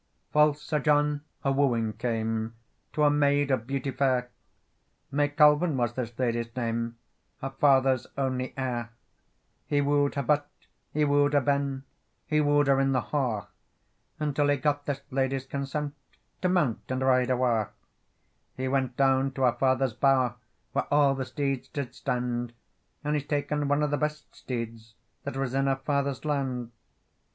FALSE Sir John a wooing came To a maid of beauty fair; May Colven was this lady's name, Her father's only heir. He wood her butt, he wood her ben, He wood her in the ha, Until he got this lady's consent To mount and ride awa. He went down to her father's bower, Where all the steeds did stand, And he's taken one of the best steeds That was in her father's land.